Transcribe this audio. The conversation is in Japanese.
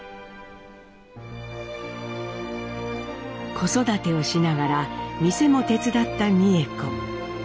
子育てをしながら店も手伝った美枝子。